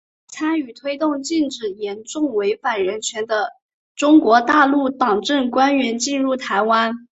她参与推动禁止严重违反人权的中国大陆党政官员进入台湾。